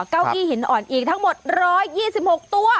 เก้าอี้หินอ่อนอีกทั้งหมด๑๒๖ตัว